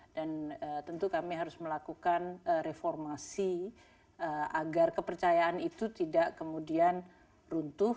dan tentu kami harus melakukan reformasi agar kepercayaan itu tidak kemudian runtuh